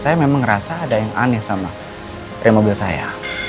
saya memang ngerasa ada yang aneh sama remobil saya